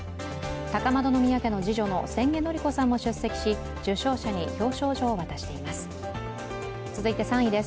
高円宮家の次女の千家典子さんも出席し、受賞者に表彰状を渡しています。